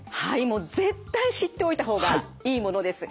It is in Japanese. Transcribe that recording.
もう絶対知っておいた方がいいものです。